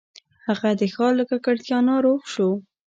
هغه د ښار له ککړتیا ناروغ شو.